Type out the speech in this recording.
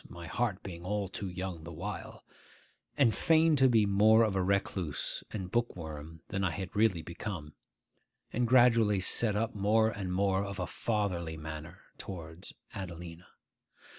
my heart being all too young the while), and feigned to be more of a recluse and bookworm than I had really become, and gradually set up more and more of a fatherly manner towards Adelina.